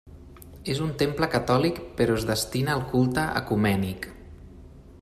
És un temple catòlic però es destina al culte ecumènic.